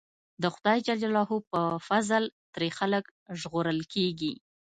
د خدای ج په فضل ترې خلک ژغورل کېږي.